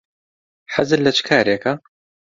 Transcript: حەزت لە چ کارێکە؟